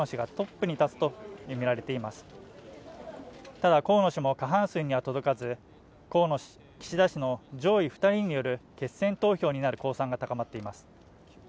ただ河野氏も過半数には届かず河野氏、岸田氏の上位二人による決選投票になる公算が高まっています